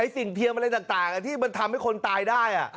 สิ่งเพียงอะไรต่างที่มันทำให้คนตายได้